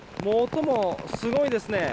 音もすごいですね。